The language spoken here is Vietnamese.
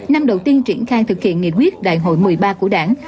năm đầu tiên triển khai thực hiện nghị quyết đại hội một mươi ba của đảng